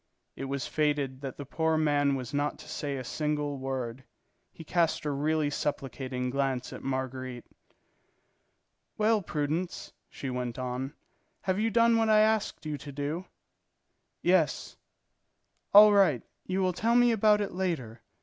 It was fated that the poor man was not to say a single word. He cast a really supplicating glance at Marguerite. "Well, Prudence," she went on, "have you done what I asked you to do?" "Yes. "All right. You will tell me about it later.